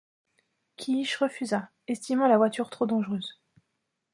Keech refusa, estimant la voiture trop dangereuse.